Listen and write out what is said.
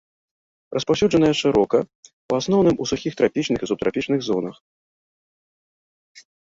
Распаўсюджаныя шырока, у асноўным у сухіх трапічных і субтрапічных зонах.